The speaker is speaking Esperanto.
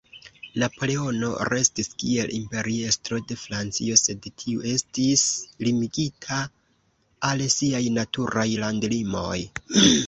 Napoleono restis kiel Imperiestro de Francio, sed tiu estis limigita al siaj "naturaj landlimoj".